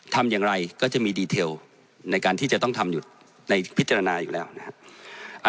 ทำอย่างไรก็จะมีดีเทลในการที่จะต้องทำอยู่ในพิจารณาอยู่แล้วนะครับ